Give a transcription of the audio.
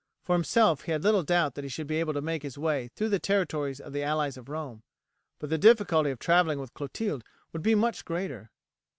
For himself he had little doubt that he should be able to make his way through the territories of the allies of Rome, but the difficulty of travelling with Clotilde would be much greater.